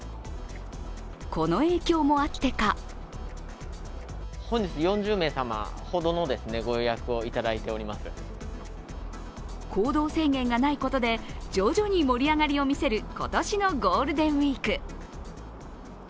この影響もあってか行動制限がないことで徐々に盛り上がりを見せる今年のゴールデンウイーク。